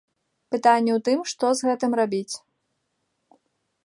Пытанне ў тым, што з гэтым рабіць.